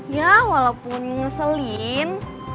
ya walaupun ngeselin